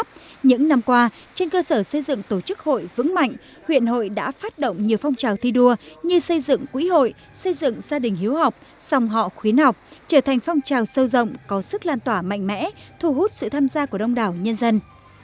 trong lúc xây dựng tổ chức hội vững mạnh huyện hội đã phát động nhiều phong trào thi đua như xây dựng quỹ hội xây dựng gia đình hiếu học dòng họ khuyến học trở thành phong trào sâu rộng có sức lan tỏa mạnh mẽ thu hút sự tham gia của đông đảo nhân dân